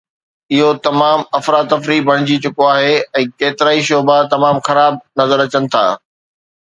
اهو تمام افراتفري بڻجي چڪو آهي ۽ ڪيترائي شعبا تمام خراب نظر اچن ٿا